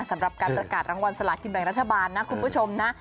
สำหรับการประกาศรางวัลสลากินแบ่งรัฐบาลนะคุณผู้ชมนะ